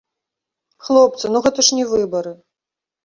Хлопцы, ну гэта ж не выбары!